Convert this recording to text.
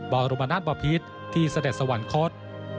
บางรุมนาศประพีทที่เสด็จสวรรค์โค้ด